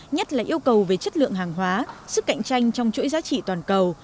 nhất là yêu cầu về chất lượng hàng hóa sức cạnh tranh trong chuỗi giá trị toàn cầu